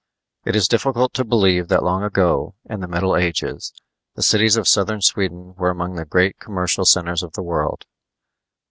It is difficult to believe that long ago, in the Middle Ages, the cities of southern Sweden were among the great commercial centers of the world.